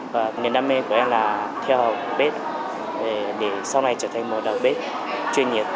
và nền đam mê của em là theo học bếp để sau này trở thành một đồng bếp chuyên nghiệp